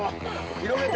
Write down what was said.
広げて！